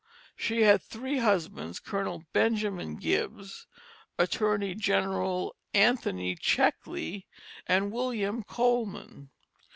She had three husbands, Colonel Benjamin Gibbs, Attorney General Anthony Checkley, and William Coleman.